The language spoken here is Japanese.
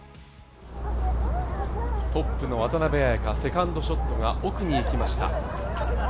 トップの渡邉彩香、セカンドショットが奥にいきました。